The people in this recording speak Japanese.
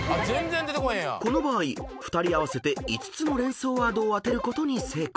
［この場合２人合わせて５つの連想ワードを当てることに成功］